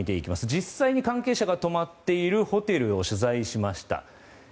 実際に関係者が泊まっているホテルを取材しました。